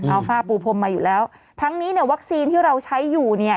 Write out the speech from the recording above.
เอาฝ้าปูพรมมาอยู่แล้วทั้งนี้เนี่ยวัคซีนที่เราใช้อยู่เนี่ย